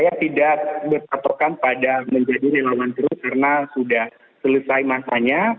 saya tidak berpatokan pada menjadi relawan terus karena sudah selesai masanya